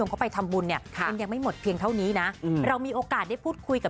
สีเกาเหียวเนี่ยคุณผู้ชมค่ะ